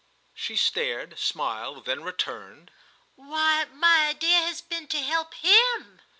She stared, smiled, then returned: "Why my idea has been to help him!"